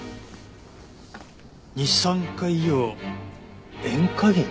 二酸化硫黄塩化銀？